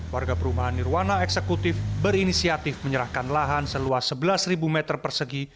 warga perumahan nirwana eksekutif berinisiatif menyerahkan lahan seluas sebelas meter persegi